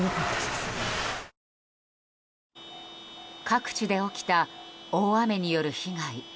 各地で起きた大雨による被害。